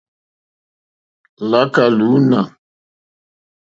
Láká lúǃúná.